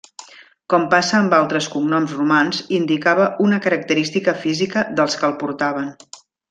Com passa amb altres cognoms romans, indicava una característica física dels que el portaven.